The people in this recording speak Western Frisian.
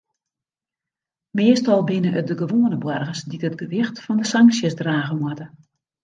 Meastal binne it de gewoane boargers dy't it gewicht fan de sanksjes drage moatte.